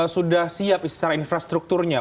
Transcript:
sudah siap secara infrastrukturnya